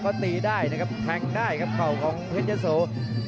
เขาตีได้นะครับแทงได้ครับเข่าของเพชรยะโส